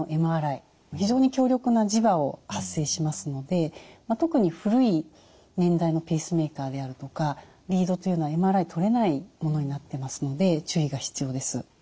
非常に強力な磁場を発生しますので特に古い年代のペースメーカーであるとかリードというのはＭＲＩ撮れないものになってますので注意が必要です。